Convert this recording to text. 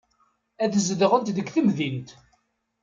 Ad zedɣent deg temdint.